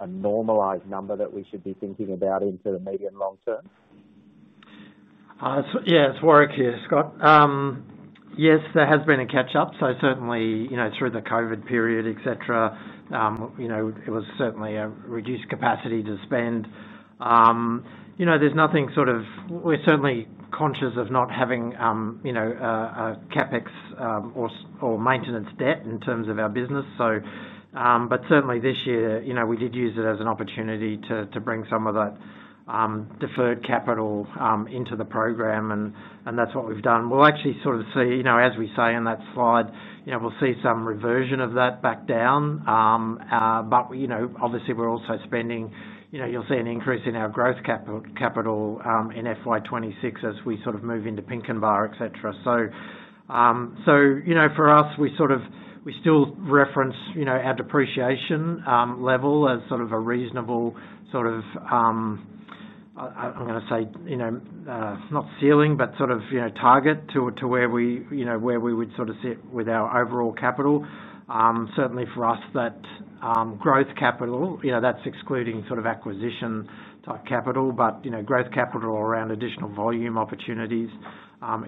a normalized number that we should be thinking about into the medium long term? Yeah, it's Warrick here, Scott. Yes, there has been a catch-up. Certainly, through the COVID period, it was a reduced capacity to spend. There's nothing, we're certainly conscious of not having a CapEx or maintenance debt in terms of our business. This year, we did use it as an opportunity to bring some of that deferred capital into the program, and that's what we've done. We'll actually see, as we say in that slide, we'll see some reversion of that back down. Obviously, we're also spending, you'll see an increase in our growth capital in FY2026 as we move into Pinkenba. For us, we still reference our depreciation level as a reasonable, I'm going to say, not ceiling, but target to where we would sit with our overall capital. Certainly for us, that growth capital, that's excluding acquisition type capital, but growth capital around additional volume opportunities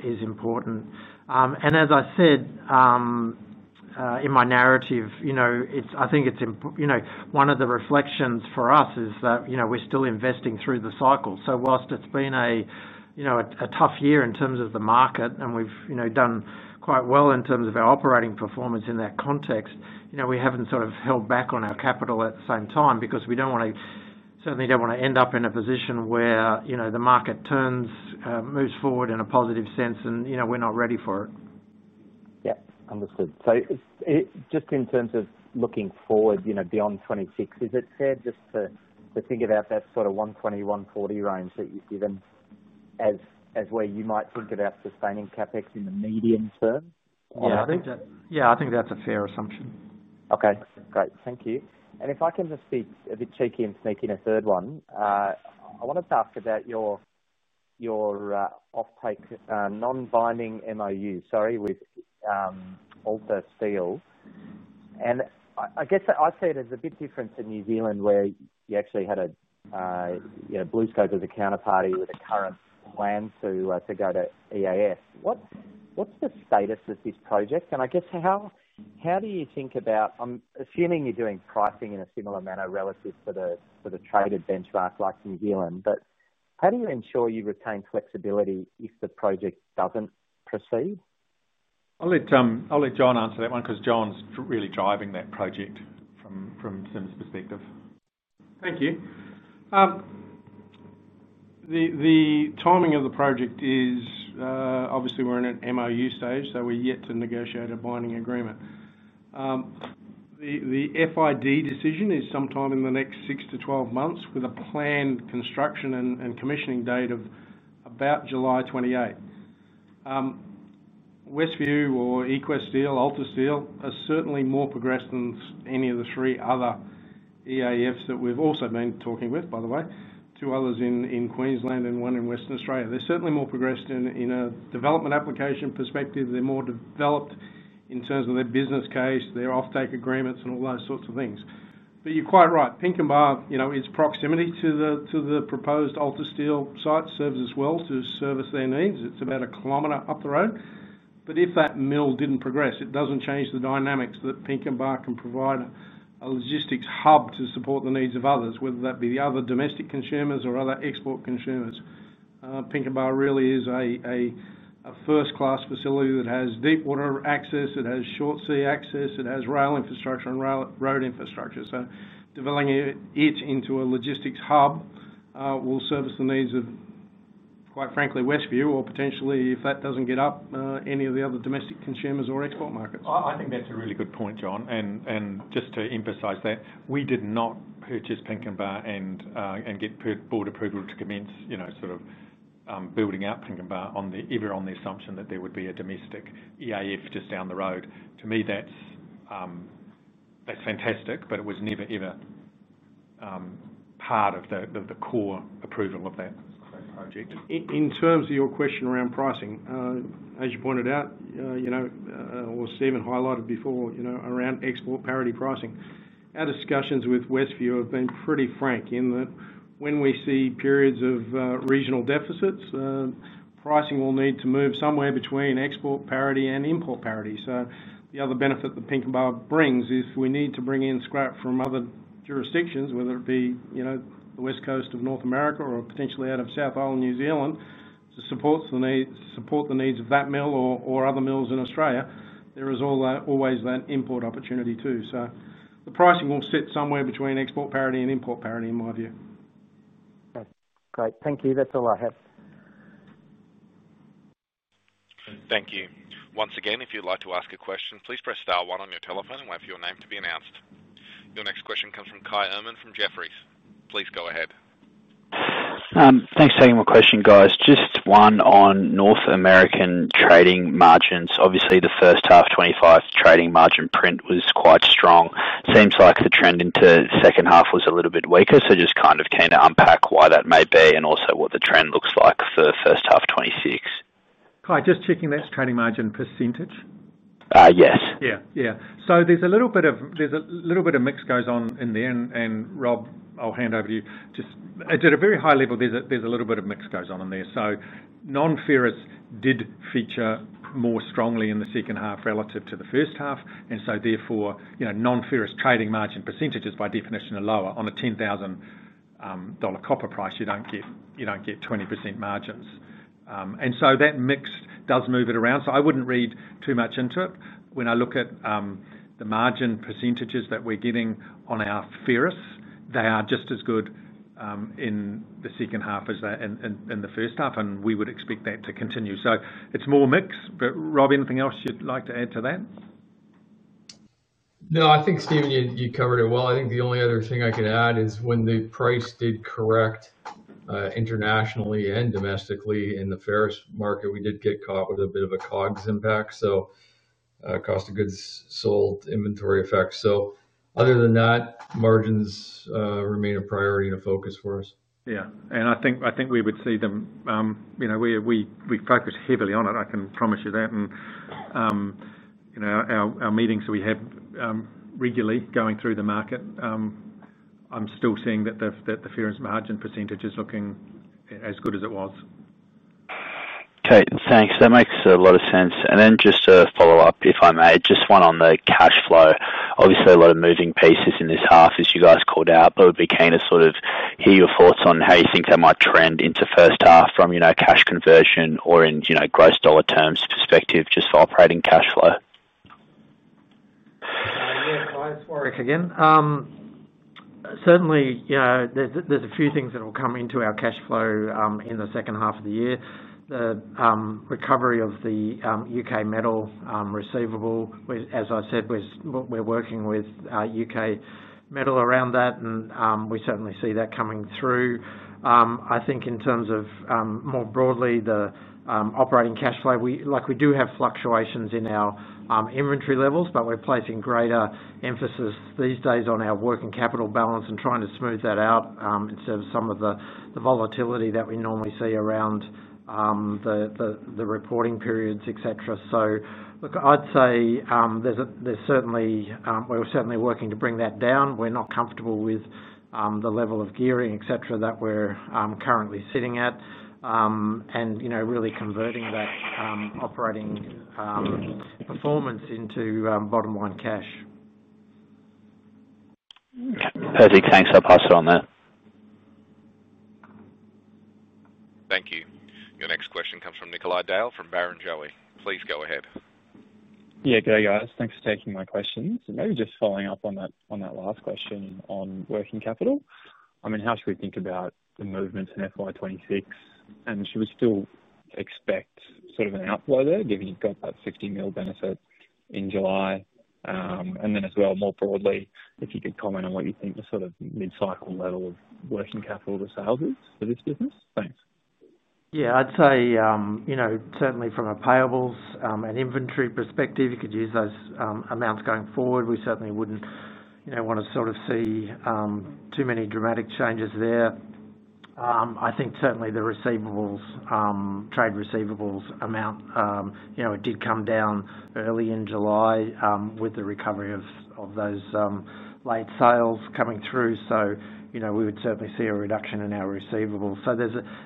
is important. As I said in my narrative, I think it's one of the reflections for us that we're still investing through the cycle. Whilst it's been a tough year in terms of the market and we've done quite well in terms of our operating performance in that context, we haven't held back on our capital at the same time because we don't want to end up in a position where the market turns, moves forward in a positive sense and we're not ready for it. Yeah, understood. Just in terms of looking forward, you know, beyond 2026, is it fair just to think about that sort of $120 million, $140 million range that you've given as where you might look at our sustaining CapEx in the medium term? Yeah, I think that's a fair assumption. Okay, great. Thank you. If I can just be a bit cheeky and sneak in a third one, I wanted to ask about your off-take non-binding MOU with Alta Steel. I guess I see it as a bit different in New Zealand where you actually had BlueScope as a counterparty with a current plan to go to EAS. What's the status of this project? I guess how do you think about, I'm assuming you're doing pricing in a similar manner relative to the traded benchmark like New Zealand, but how do you ensure you retain flexibility if the project doesn't proceed? I'll let John answer that one because John's really driving that project from Sims' perspective. Thank you. The timing of the project is obviously we're in an MOU stage, so we're yet to negotiate a binding agreement. The FID decision is sometime in the next 6 to 12 months with a planned construction and commissioning date of about July 28, 2028. Westview or Equest Steel, Alta Steel are certainly more progressed than any of the three other EAFs that we've also been talking with, by the way, two others in Queensland and one in Western Australia. They're certainly more progressed in a development application perspective. They're more developed in terms of their business case, their off-take agreements, and all those sorts of things. You're quite right. Pinkenba, you know, its proximity to the proposed Alta Steel site serves as well to service their needs. It's about a kilometer up the road. If that mill didn't progress, it doesn't change the dynamics that Pinkenba can provide a logistics hub to support the needs of others, whether that be the other domestic consumers or other export consumers. Pinkenba really is a first-class facility that has deep water access, it has short sea access, it has rail infrastructure and road infrastructure. Developing it into a logistics hub will service the needs of, quite frankly, Westview or potentially, if that doesn't get up, any of the other domestic consumers or export markets. I think that's a really good point, John. Just to emphasize that, we did not purchase Pinkenba and get board approval to commence building out Pinkenba either on the assumption that there would be a domestic EAF just down the road. To me, that's fantastic, but it was never, ever part of the core approval of that. In terms of your question around pricing, as you pointed out, or Stephen highlighted before, around export parity pricing, our discussions with Westview have been pretty frank in that when we see periods of regional deficits, pricing will need to move somewhere between export parity and import parity. The other benefit that Pinkenba brings is if we need to bring in scrap from other jurisdictions, whether it be the West Coast of North America or potentially out of South Island New Zealand, to support the needs of that mill or other mills in Australia, there is always that import opportunity too. The pricing will sit somewhere between export parity and import parity in my view. Great. Thank you. That's all I have. Thank you. Once again, if you'd like to ask a question, please press star one on your telephone and wait for your name to be announced. Your next question comes from Kai Erman from Jefferies. Please go ahead. Thanks for taking my question, guys. Just one on North American trading margins. Obviously, the first half 2025 trading margin print was quite strong. It seems like the trend into the second half was a little bit weaker. Just kind of keen to unpack why that may be and also what the trend looks like for first half 2026. Kai, just checking that's trading margin %? Yes. Yeah, there's a little bit of mix goes on in there. Rob, I'll hand over to you. At a very high level, there's a little bit of mix goes on in there. Non-ferrous did feature more strongly in the second half relative to the first half. Therefore, non-ferrous trading margin percentages by definition are lower. On a $10,000 copper price, you don't get 20% margins, and that mix does move it around. I wouldn't read too much into it. When I look at the margin percentages that we're getting on our ferrous, they are just as good in the second half as they are in the first half. We would expect that to continue. It's more mix. Rob, anything else you'd like to add to that? No, I think, Stephen, you covered it well. I think the only other thing I could add is when the price did correct internationally and domestically in the ferrous market, we did get caught with a bit of a COGS impact, so cost of goods sold inventory effect. Other than that, margins remain a priority and a focus for us. Yeah, I think we would see them. You know, we focus heavily on it. I can promise you that. Our meetings that we have regularly going through the market, I'm still seeing that the ferrous margin % is looking as good as it was. Okay, thanks. That makes a lot of sense. Just a follow-up, if I may, just one on the cash flow. Obviously, a lot of moving pieces in this half, as you guys called out. I would be keen to sort of hear your thoughts on how you think that might trend into first half from, you know, cash conversion or in, you know, gross dollar terms perspective, just for operating cash flow. Yeah, Warrick again. Certainly, you know, there's a few things that will come into our cash flow in the second half of the year. The recovery of the UK metal receivable, as I said, we're working with UK metal around that. We certainly see that coming through. I think in terms of more broadly the operating cash flow, we do have fluctuations in our inventory levels, but we're placing greater emphasis these days on our working capital balance and trying to smooth that out instead of some of the volatility that we normally see around the reporting periods, etc. I'd say we're certainly working to bring that down. We're not comfortable with the level of gearing, etc., that we're currently sitting at and, you know, really converting that operating performance into bottom line cash. Perfect. Thanks. I'll pass it on there. Thank you. Your next question comes from Nikolai Dale from Barrenjoey. Please go ahead. Yeah, thanks for taking my questions. Maybe just following up on that last question on working capital. How should we think about the movements in FY2026? Should we still expect sort of an outflow there, given you've got that $50 million benefit in July? As well, more broadly, if you could comment on what you think the sort of mid-cycle level of working capital to sales is for this business. Thanks. Yeah, I'd say, you know, certainly from a payables and inventory perspective, you could use those amounts going forward. We certainly wouldn't want to sort of see too many dramatic changes there. I think certainly the receivables, trade receivables amount, you know, it did come down early in July with the recovery of those late sales coming through. We would certainly see a reduction in our receivables.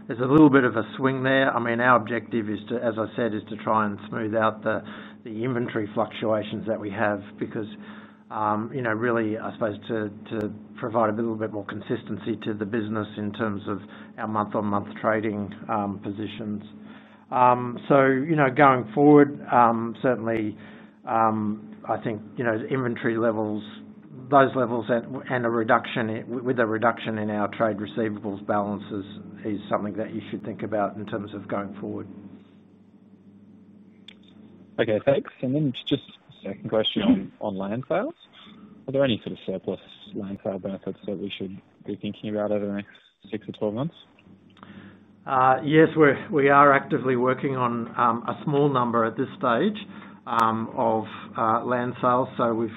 There's a little bit of a swing there. I mean, our objective is to, as I said, is to try and smooth out the inventory fluctuations that we have because, you know, really, I suppose, to provide a little bit more consistency to the business in terms of our month-on-month trading positions. Going forward, certainly, I think, you know, inventory levels, those levels, and a reduction with a reduction in our trade receivables balances is something that you should think about in terms of going forward. Okay, thanks. Just a second question on land sales. Are there any sort of surplus land sale benefits that we should be thinking about over the next six or 12 months? Yes, we are actively working on a small number at this stage of land sales. We've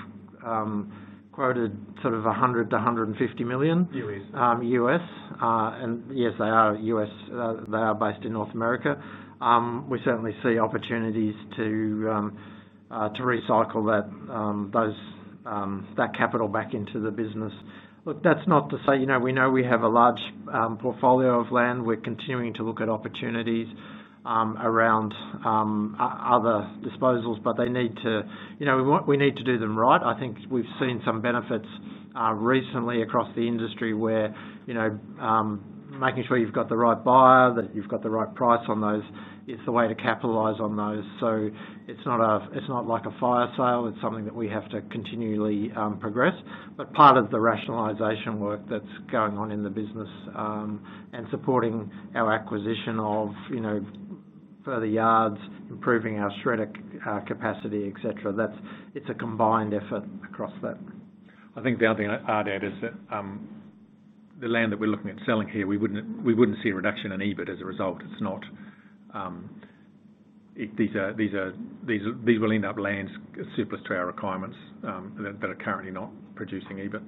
quoted sort of $100 million to $150 million U.S. And yes, they are U.S. They are based in North America. We certainly see opportunities to recycle that capital back into the business. That's not to say, you know, we know we have a large portfolio of land. We're continuing to look at opportunities around other disposals, but they need to, you know, we need to do them right. I think we've seen some benefits recently across the industry where making sure you've got the right buyer, that you've got the right price on those is the way to capitalize on those. It's not like a fire sale. It's something that we have to continually progress. Part of the rationalization work that's going on in the business and supporting our acquisition of further yards, improving our shredder capacity, et cetera, it's a combined effort across that. I think the other thing I'd add is that the land that we're looking at selling here, we wouldn't see a reduction in EBIT as a result. It's not. These will end up land surplus to our requirements that are currently not producing EBIT.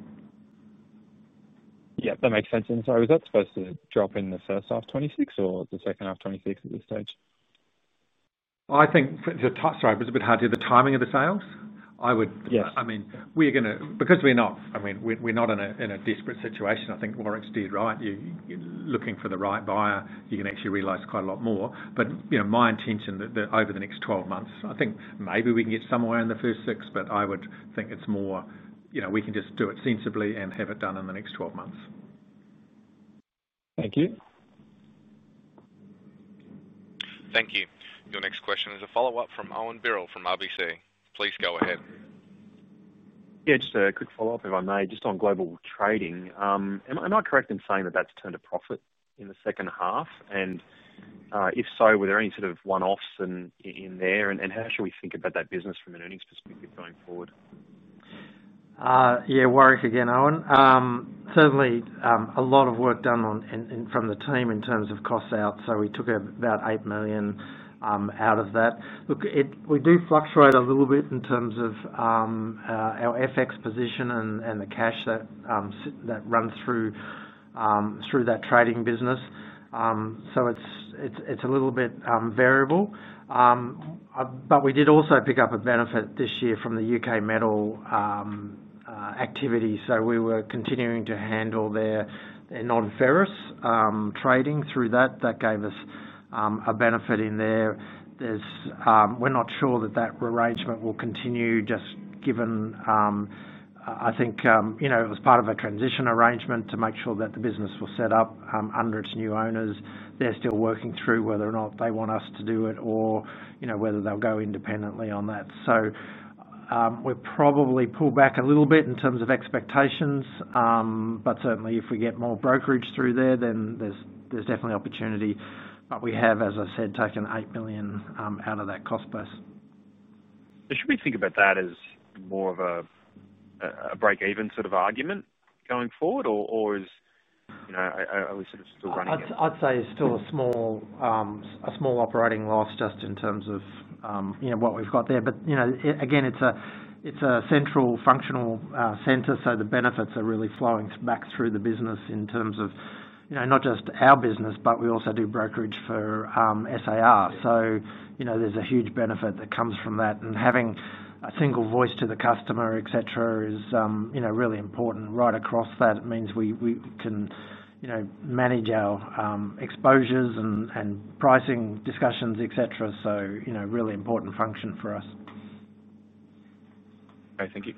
Yeah, that makes sense. Sorry, was that supposed to drop in the first half of 2026 or the second half of 2026 at this stage? I think the touchstrike was a bit hard to do, the timing of the sales. I would, I mean, we're going to, because we're not, I mean, we're not in a desperate situation. I think Warrick's did right. You're looking for the right buyer, you can actually realize quite a lot more. My intention is that over the next 12 months, I think maybe we can get somewhere in the first six, but I would think it's more, we can just do it sensibly and have it done in the next 12 months. Thank you. Thank you. Your next question is a follow-up from Owen Birrell from RBC. Please go ahead. Yeah, just a quick follow-up, if I may, just on global trading. Am I correct in saying that that's turned a profit in the second half? If so, were there any sort of one-offs in there? How should we think about that business from an earnings perspective going forward? Yeah, Warrick again, Owen. Certainly a lot of work done from the team in terms of cost-out. We took about $8 million out of that. We do fluctuate a little bit in terms of our FX position and the cash that runs through that trading business. It's a little bit variable. We did also pick up a benefit this year from the UK metal activity. We were continuing to handle their non-ferrous trading through that. That gave us a benefit in there. We're not sure that that arrangement will continue, just given, I think, it was part of a transition arrangement to make sure that the business was set up under its new owners. They're still working through whether or not they want us to do it or whether they'll go independently on that. We're probably pulled back a little bit in terms of expectations. Certainly, if we get more brokerage through there, then there's definitely opportunity. We have, as I said, taken $8 million out of that cost plus. Should we think about that as more of a break-even sort of argument going forward, or are we sort of still running? I'd say it's still a small operating loss just in terms of what we've got there. It's a central functional center, so the benefits are really flowing back through the business in terms of not just our business, but we also do brokerage for SAR. There's a huge benefit that comes from that. Having a single voice to the customer, etc., is really important. Right across that, it means we can manage our exposures and pricing discussions, etc. It's a really important function for us. Thank you.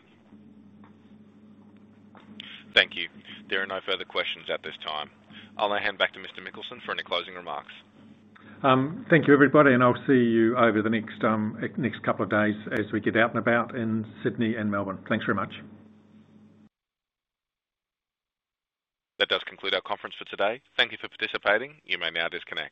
Thank you. There are no further questions at this time. I'll hand back to Mr. Mikkelsen for any closing remarks. Thank you, everybody. I'll see you over the next couple of days as we get out and about in Sydney and Melbourne. Thanks very much. That does conclude our conference for today. Thank you for participating. You may now disconnect.